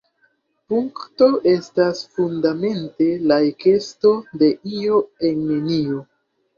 Punkto estas fundamente la ekesto de “io” en “nenio”.